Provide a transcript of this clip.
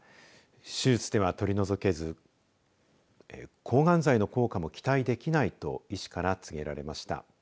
手術では取り除けず抗がん剤の効果も期待できないと医師から告げられました。